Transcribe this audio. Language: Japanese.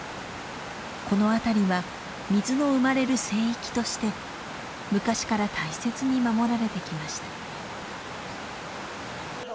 この辺りは水の生まれる聖域として昔から大切に守られてきました。